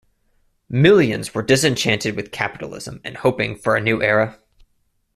Millions were disenchanted with capitalism and hoping for a new era.